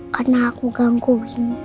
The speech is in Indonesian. karena aku gangguin